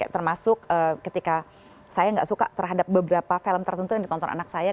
termasuk ketika saya nggak suka terhadap beberapa film tertentu yang ditonton anak saya